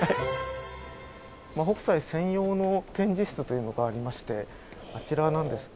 北斎専用の展示室というのがありましてあちらなんです。